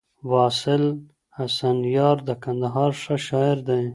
واصل حسنیار د کندهار ښه شاعر دی